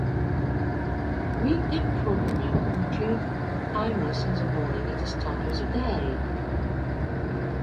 Weekday programming includes Imus in the Morning at the start of the day.